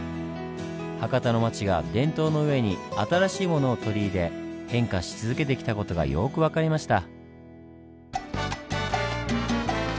博多の町が伝統の上に新しいものを取り入れ変化し続けてきた事がよく分かりました。